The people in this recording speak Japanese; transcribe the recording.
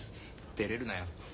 てれるなよ。